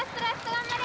頑張れ！